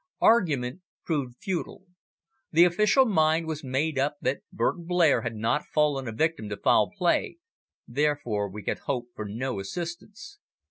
Argument proved futile. The official mind was made up that Burton Blair had not fallen a victim to foul play, therefore we could hope for no assistance.